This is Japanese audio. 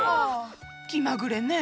気まぐれねぇ。